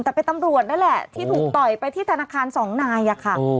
แต่เป็นตำรวจนั่นแหละที่ถูกต่อยไปที่ธนาคารสองนายอะค่ะ